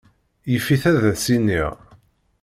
Yif-it ad as-iniɣ.